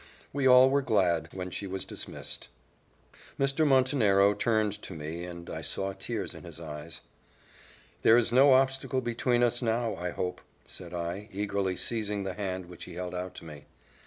We all were glad when she was dismissed. Mr. Montenero turned to me, and I saw tears in his eyes. "There is no obstacle between us now, I hope," said I, eagerly seizing the hand which he held out to me.